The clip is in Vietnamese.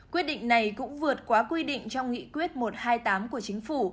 quyết định này cũng vượt quá quy định trong nghị quyết một trăm hai mươi tám của chính phủ